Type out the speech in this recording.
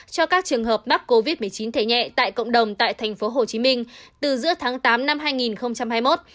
cho các trường hợp mắc covid một mươi chín thể nhẹ tại cộng đồng tại tp hcm từ giữa tháng tám năm hai nghìn hai mươi một